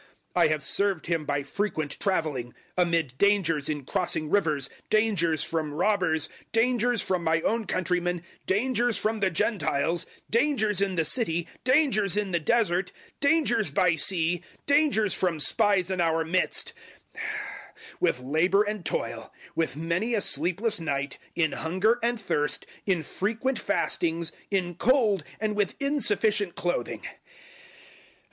011:026 I have served Him by frequent travelling, amid dangers in crossing rivers, dangers from robbers; dangers from my own countrymen, dangers from the Gentiles; dangers in the city, dangers in the Desert, dangers by sea, dangers from spies in our midst; 011:027 with labour and toil, with many a sleepless night, in hunger and thirst, in frequent fastings, in cold, and with insufficient clothing.